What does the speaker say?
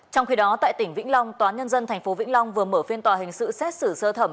trong khi đó tại tỉnh vĩnh long tòa nhân dân tp vĩnh long vừa mở phiên tòa hình sự xét xử sơ thẩm